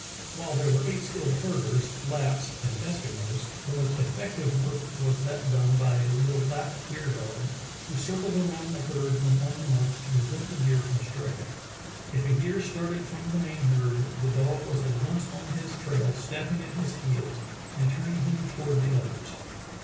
While there were eight skilled herders, Lapps and Eskimos, the most effective work was that done by a little Lapp deer dog, who circled around the herd when on the march to prevent the deer from straying. If a deer started from the main herd the dog was at once on his trail, snapping at his heels and turning him toward the others.